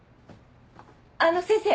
あの先生。